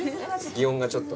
擬音がちょっと。